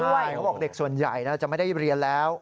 เขาบอกเด็กส่วนใหญ่จะไม่ได้เรียนแล้ว